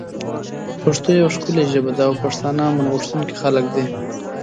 پښتو یوه ښکلی ژبه ده او پښتانه امن غوښتونکی خلک دی